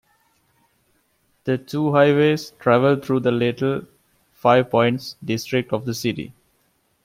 The two highways travel through the Little Five Points district of the city.